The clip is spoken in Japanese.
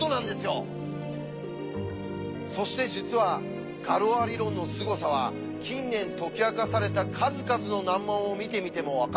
そして実はガロア理論のすごさは近年解き明かされた数々の難問を見てみても分かるんです。